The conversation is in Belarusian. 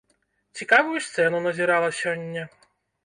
Цікавую сцэну назірала сёння.